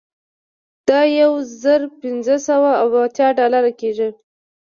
دا یو زر پنځه سوه اوه اتیا ډالره کیږي